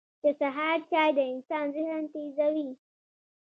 • د سهار چای د انسان ذهن تیزوي.